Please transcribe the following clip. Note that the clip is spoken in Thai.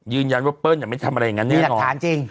ยืนยันว่าเปิ้ลเองไม่ทำอะไรอย่างนั้นแน่นอน